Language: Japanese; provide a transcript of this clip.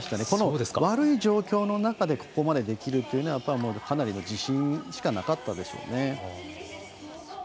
この悪い状況の中でここまで、できるというのはやっぱりかなりの自信しかなかったでしょうね。